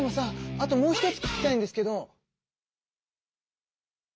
あともう一つ聞きたいんですけど！